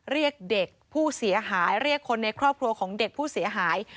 เรียกเด็กผู้เสียหายเรียกคนในครอบครัวของเด็กผู้เสียหาย